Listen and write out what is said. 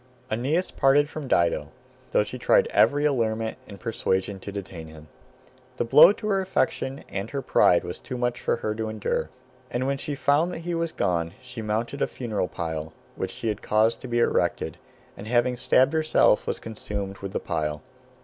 Aeneas parted from Dido, though she tried every allurement and persuasion to detain him. The blow to her affection and her pride was too much for her to endure, and when she found that he was gone, she mounted a funeral pile which she had caused to be erected, and having stabbed herself was consumed with the pile.